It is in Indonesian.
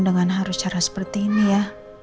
dengan harus cara seperti ini ya